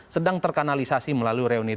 sedang terkanalisasi melalui reuni dua satu dua